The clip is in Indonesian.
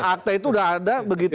akta itu udah ada begitu